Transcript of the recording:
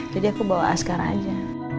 jadi aku bawa asgara aja